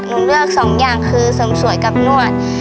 เลือกสองอย่างคือเสริมสวยกับนวด